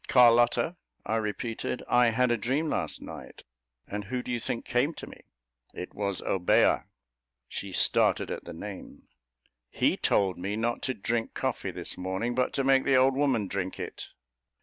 "Carlotta," I repeated, "I had a dream last night, and who do you think came to me? It was Obeah!" (She started at the name.) "He told me not to drink coffee this morning, but to make the old woman drink it."